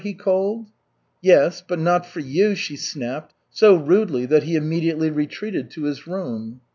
he called. "Yes, but not for you!" she snapped, so rudely that he immediately retreated to his room.